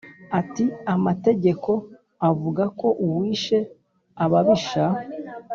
ati"amategeko avugako uwishe ababisha